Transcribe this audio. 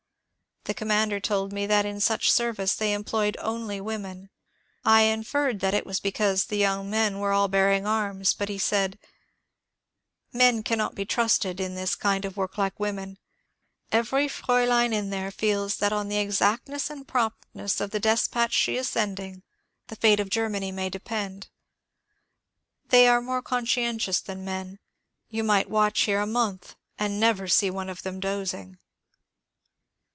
The com ihander told me that in such service they employed only women. I inferred that it was because the young men were all bearing arms, but he said, '^ Men cannot be trusted in this kind of work like women. Every fraulein in there feels that on the exactness and promptness of the despatch she is send ing the fate of Germany may depend. They are more con scientious than men ; you might watch here a month and never see one of them dozing."